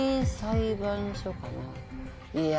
いや。